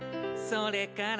「それから」